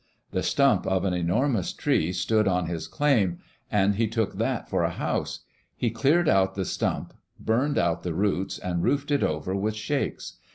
The stump of an enormous tree stood on his "claim" and he took that for a house. He cleared out the stump, burned out the roots, and roofed it over with shakes.